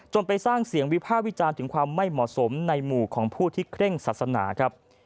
ไปสร้างเสียงวิพากษ์วิจารณ์ถึงความไม่เหมาะสมในหมู่ของผู้ที่เคร่งศาสนาครับ